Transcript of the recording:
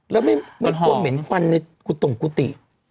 แล้วไม่กลัวเหม็นควันในกุตงกุฏิ